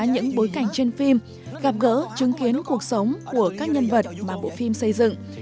những bối cảnh trên phim gặp gỡ chứng kiến cuộc sống của các nhân vật mà bộ phim xây dựng